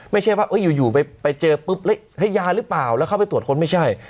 ไม่ใช่ว่าอยู่ไปเจอปุ๊บให้ยาหรือเปล่าแล้วเข้าไปตรวจค้นไม่ใช่